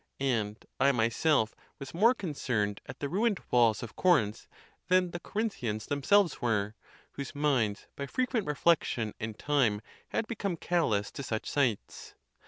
And I myself was more concerned at the ruined walls of Corinth than the Corinthians themselves were, whose minds by frequent reflection and time had become callous to such sights.